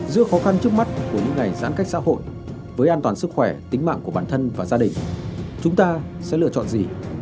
giữa khó khăn trước mắt của những ngày giãn cách xã hội với an toàn sức khỏe tính mạng của bản thân và gia đình chúng ta sẽ lựa chọn gì